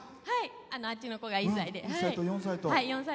あっちの子が１歳で、４歳と。